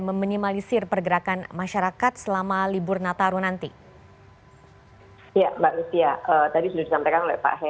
meminimalisir pergerakan masyarakat selama libur nataru nanti ya mbak lucia tadi sudah disampaikan